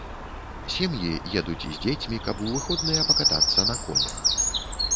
Сем'і едуць з дзецьмі, каб у выходныя пакатацца на конях.